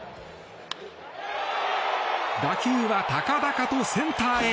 打球は高々とセンターへ。